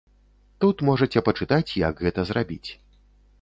Тут можаце пачытаць, як гэта зрабіць.